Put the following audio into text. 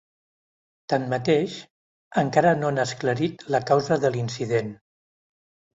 Tanmateix, encara no han esclarit la causa de l’incident.